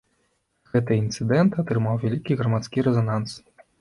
Гэты інцыдэнт атрымаў вялікі грамадскі рэзананс.